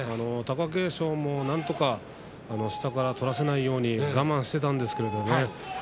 貴景勝もなんとか下から取らせないように我慢していたんですけれどもね。